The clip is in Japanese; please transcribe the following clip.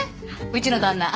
うちの旦那。